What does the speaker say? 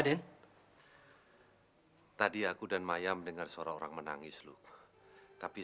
kestad start folding channel ini akan menjadi kepadamu